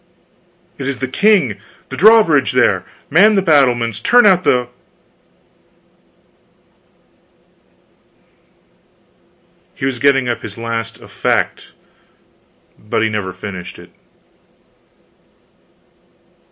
It is the king! The drawbridge, there! Man the battlements! turn out the " He was getting up his last "effect"; but he never finished it.